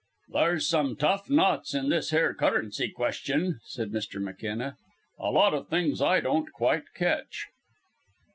"There's some tough knots in this here currency question," said Mr. McKenna. "A lot of things I don't quite catch."